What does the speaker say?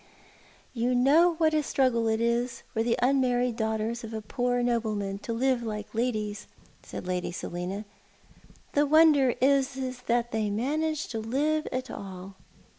" You know what a struggle it is for the unmarried daughters of a poor nobleman to live like ladies," said Lady Selina ;" the wonder is that they manage to live at all."